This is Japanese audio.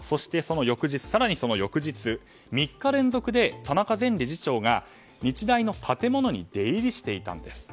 その翌日３日連続で田中前理事長が日大の建物に出入りしていたんです。